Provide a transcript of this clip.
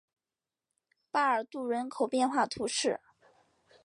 巴尔杜人口变化图示